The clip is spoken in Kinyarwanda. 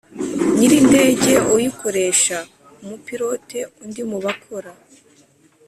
Nyir indege uyikoresha umupilote undi mu bakora